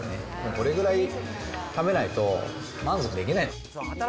これぐらい食べないと満足できない。